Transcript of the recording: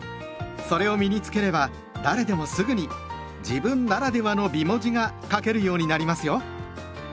それを身に付ければ誰でもすぐに「自分ならではの美文字」が書けるようになりますよ。